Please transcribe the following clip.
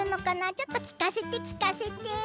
ちょっときかせてきかせて。